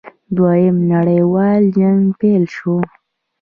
دویم نړیوال جنګ پیل شو.